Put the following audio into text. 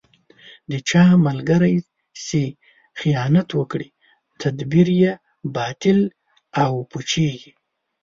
د چا ملګری چې خیانت وکړي، تدبیر یې باطل او پوچېـږي.